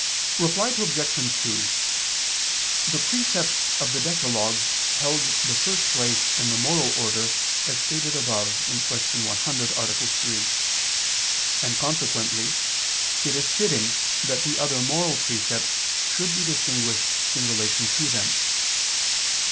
Reply Obj. 2: The precepts of the decalogue held the first place in the moral order, as stated above (Q. 100, A. 3): and consequently it is fitting that other moral precepts should be distinguished in relation to them.